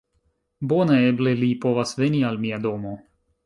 Bone! Eble li povas veni al mia domo!